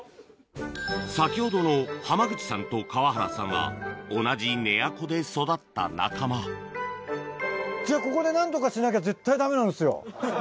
先ほどの濱口さんと川原さんは同じ寝屋子で育った仲間じゃあここで何とかしなきゃ絶対ダメなんですよ。